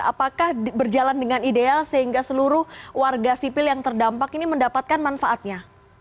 apakah berjalan dengan ideal sehingga seluruh warga sipil yang terdampak ini mendapatkan manfaatnya